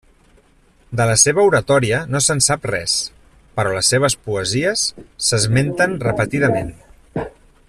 De la seva oratòria no se'n sap res, però les seves poesies s'esmenten repetidament.